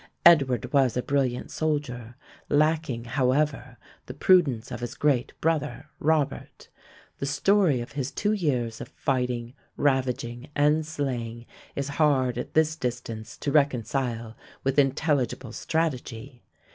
Edward was a brilliant soldier, lacking, however, the prudence of his great brother, Robert. The story of his two years of fighting, ravaging, and slaying, is hard at this distance to reconcile with intelligible strategy.